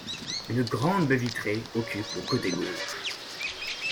Une grande baie vitrée occupe le côté gauche.